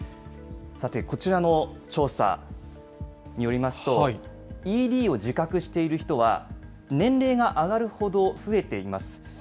さて、こちらの調査によりますと、ＥＤを自覚している人は、年齢が上がるほど増えています。